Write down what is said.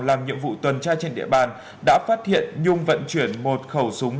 làm nhiệm vụ tuần tra trên địa bàn đã phát hiện nhung vận chuyển một khẩu súng